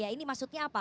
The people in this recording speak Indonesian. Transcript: ini maksudnya apa